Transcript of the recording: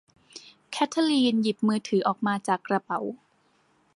เคทลีนหยิบมือถือออกมาจากกระเป๋า